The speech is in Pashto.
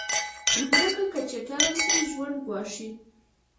مځکه که چټله شي، ژوند ګواښي.